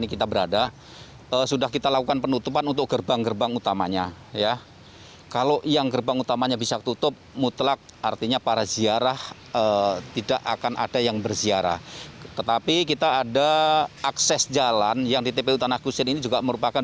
kami tutup juga kami tutup dilakukan penutupan